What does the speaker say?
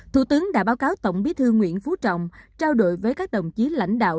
thủ tướng đã báo cáo tổng bí thư nguyễn phú trọng trao đổi với các đồng chí lãnh đạo